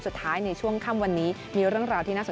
สุดท้ายในช่วงค่ำวันนี้มีเรื่องราวที่น่าสนใจ